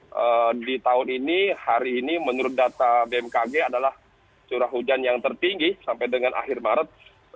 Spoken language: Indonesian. jadi di tahun ini hari ini menurut data bmkg adalah curah hujan yang tertinggi sampai dengan akhir maret